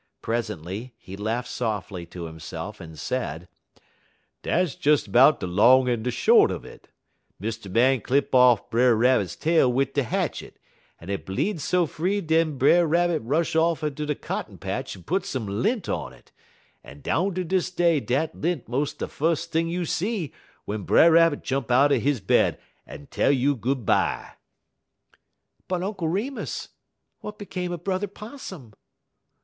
Presently, he laughed softly to himself, and said: "Dat's des 'bout de long en de short un it. Mr. Man clip off Brer Rabbit tail wid de hatchet, en it bleed so free dat Brer Rabbit rush off ter de cotton patch en put some lint on it, en down ter dis day dat lint mos' de fus' t'ing you see w'en Brer Rabbit jump out'n he bed en tell you good bye." "But, Uncle Remus, what became of Brother 'Possum?"